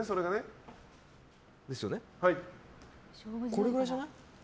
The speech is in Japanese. これぐらいじゃない？